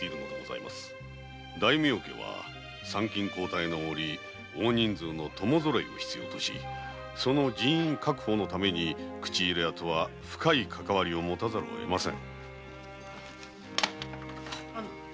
大名は参勤交代の時大人数の供ぞろえを必要とし人員確保のために口入れ屋と深いかかわりを持たねばなりません。